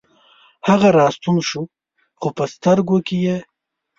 هغه راستون شو، خوپه سترګوکې یې